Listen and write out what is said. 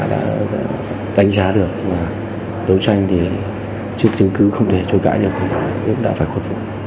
đã đánh giá được và đấu tranh thì trước chứng cứ không thể chối cãi được thì cũng đã phải khuất vụ